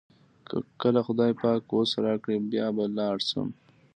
کله خدای پاک وس راکړ بیا به لاړ شم.